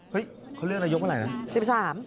เขาเลือกนายกเมื่อไหร่นะ